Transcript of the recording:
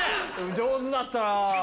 上手だったなぁ。